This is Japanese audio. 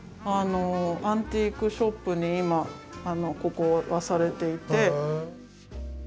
アンティークショップに今ここはされていて。